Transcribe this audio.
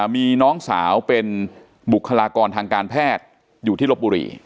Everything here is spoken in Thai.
มีน้องสาวเป็นบุคลากรทางการแพทย์อยู่ที่ลบบุรี